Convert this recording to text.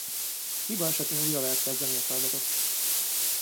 Hiba esetén újra lehet kezdeni a feladatot.